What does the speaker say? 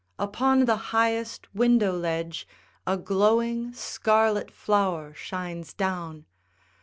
Upon the highest window ledge A glowing scarlet flower shines down.